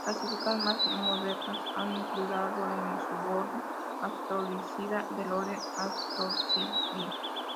Clasificaciones más modernas han incluido "Arbor" en el suborden Astrorhizina del orden Astrorhizida.